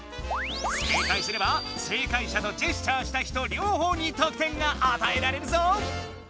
正解すれば正解者とジェスチャーした人りょう方にとく点があたえられるぞ！